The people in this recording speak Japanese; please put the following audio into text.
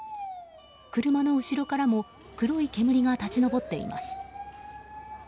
車の後ろからも黒い煙が立ち上っています。